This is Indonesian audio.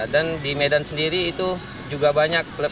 dan di medan sendiri itu juga banyak pelatih